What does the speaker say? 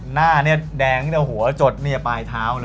หน้าเนี่ยแดงตั้งแต่หัวจดเนี่ยปลายเท้าเลย